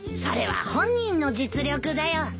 それは本人の実力だよ。